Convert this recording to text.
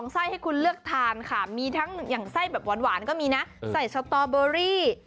ไส้ให้คุณเลือกทานค่ะมีทั้งอย่างไส้แบบหวานก็มีนะใส่สตอเบอรี่